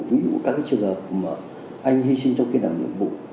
ví dụ các trường hợp mà anh hy sinh trong khi làm nhiệm vụ